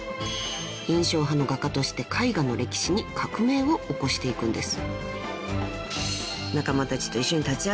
印象派の画家として絵画の歴史に革命を起こしていくんです］